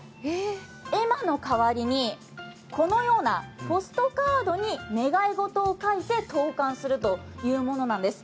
絵馬の代わりにこのようなポストカードに願い事を書いて投かんするというものなんです。